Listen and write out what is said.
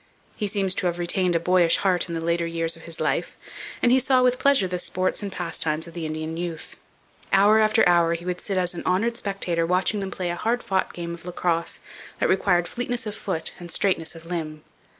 He seems to have retained a boyish heart in the later years of his life, and he saw with pleasure the sports and pastimes of the Indian youth. Hour after hour he would sit as an honoured spectator watching them play a hard fought game of lacrosse that required fleetness of foot and straightness of limb.